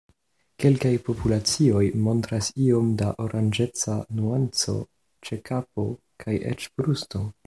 Kelkaj populacioj montras iom da oranĝeca nuanco ĉe kapo kaj eĉ brusto.